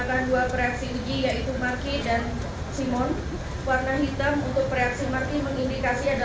yang diwakilkan oleh jaksa funksional keuangan